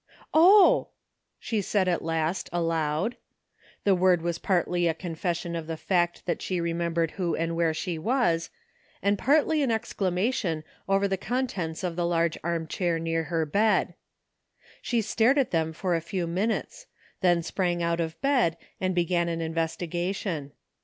*'0h!" she said at last, aloud. The word was partly a confession of the fact that she re membered who and where she was, and partly an exclamation over the contents of the large arm chair near her bed. She stared at them for a few minutes, then sprang out of bed and be gan an investigation.